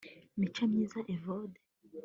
Micomyiza Evode